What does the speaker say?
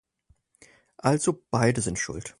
Also beide sind schuld.